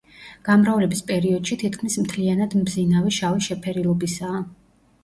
გამრავლების პერიოდში თითქმის მთლიანად მბზინავი შავი შეფერილობისაა.